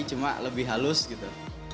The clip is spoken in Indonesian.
cuma lebih halus gitu